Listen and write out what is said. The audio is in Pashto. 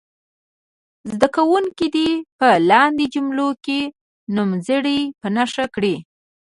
زده کوونکي دې په لاندې جملو کې نومځري په نښه کړي.